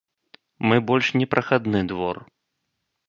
Мы больш не прахадны двор.